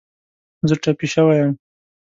زه ټپې شوی یم